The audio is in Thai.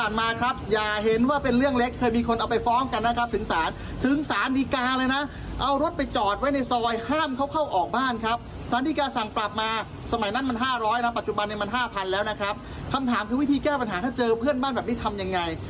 คำถามคือวิธีแก้ปัญหาถ้าเจอเพื่อนบ้านแบบนี้ทำยังไง